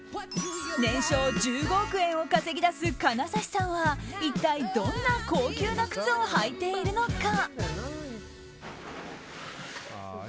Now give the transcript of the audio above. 年商１５億円を稼ぎ出す金指さんは一体、どんな高級な靴を履いているのか。